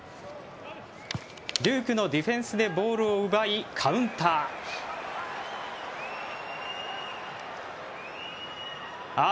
デュークのディフェンスでボールを奪い、カウンター。